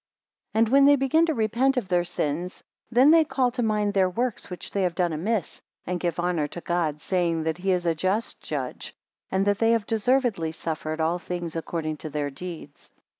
25 And when they begin to repent of their sins, then they call to mind their works which they have done amiss, and give honour to God, saying, that he is a just Judge, and they have deservedly suffered all things according to their deeds.